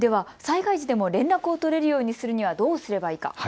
災害時でも連絡を取れるようにするにはどうすればいいか。